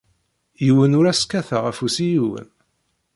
Yiwen ur as-kkateɣ afus i yiwen.